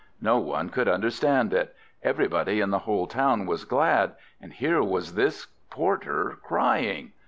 No one could understand it; everybody in the whole town was glad, and here was this porter crying!